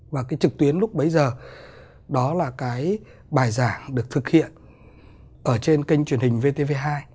và cái trực tuyến lúc bấy giờ đó là cái bài giảng được thực hiện ở trên kênh truyền hình vtv hai